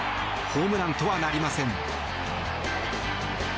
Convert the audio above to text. ホームランとはなりません。